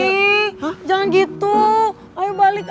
hei jangan gitu ayo balik